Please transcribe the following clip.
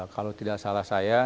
kalau tidak salah saya